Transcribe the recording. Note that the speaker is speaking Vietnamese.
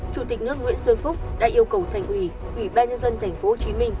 chủ tịch nước nguyễn xuân phúc đã yêu cầu thành ủy ủy ban nhân dân tp hcm